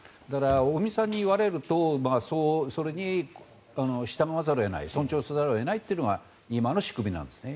尾身さんに言われるとそれに従わざるを得ない尊重せざるを得ないというのが今の仕組みなんです。